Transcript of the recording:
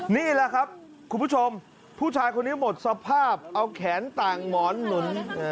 นี่แหละครับคุณผู้ชมผู้ชายคนนี้หมดสภาพเอาแขนต่างหมอนหนุน